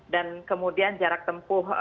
dan kemudian jarak tempuh